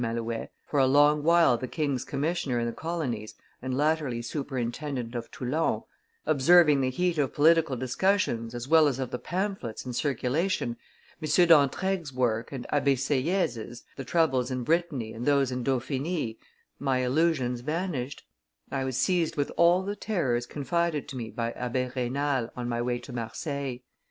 Malouet, for a long while the king's commissioner in the colonies, and latterly superintendent of Toulon, "observing the heat of political discussions as well as of the pamphlets in circulation, M. d'Entraigues' work and Abbe Sieyes', the troubles in Brittany and those in Dauphiny, my illusions vanished; I was seized with all the terrors confided to me by Abbe Raynal on my way to Marseilles.